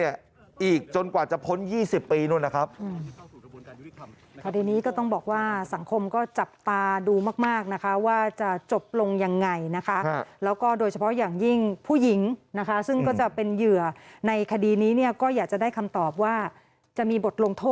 อีกจนกว่าจะพ้น๒๐ปีนู้นนะครับ